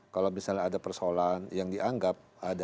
kalau misalnya ada persoalan yang dianggap